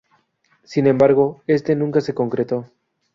Sin embargo, este nunca se concretó.